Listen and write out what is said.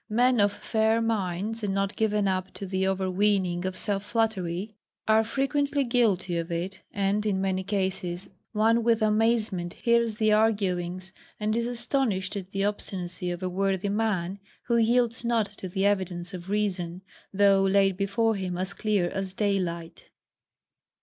Men of fair minds, and not given up to the overweening of self flattery, are frequently guilty of it; and in many cases one with amazement hears the arguings, and is astonished at the obstinacy of a worthy man, who yields not to the evidence of reason, though laid before him as clear as daylight.